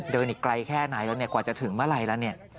เดินอีกไกลแค่ไหนแล้วกว่าจะถึงเมื่อไหร่แล้ว